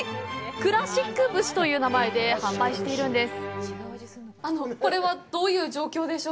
クラシック節という名前で販売しているんです。